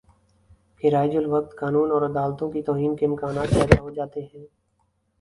کہ رائج الوقت قانون اور عدالتوں کی توہین کے امکانات پیدا ہو جاتے ہیں